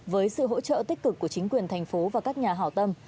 với sự hỗ trợ tích cực của chính quyền thành phố và các nhà hảo tâm